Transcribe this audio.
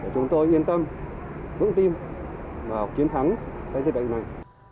chúng tôi yên tâm vững tin và kiến thắng dịch bệnh này